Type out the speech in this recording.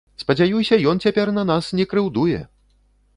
Спадзяюся, ён цяпер на нас не крыўдуе!